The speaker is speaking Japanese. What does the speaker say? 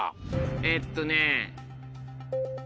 えっとね。